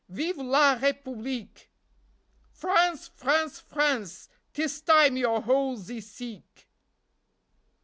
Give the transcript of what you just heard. Vive la republique! France ! France ! France ! 'Tis time your holes ye seek.